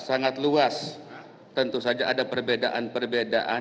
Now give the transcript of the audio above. sangat luas tentu saja ada perbedaan perbedaan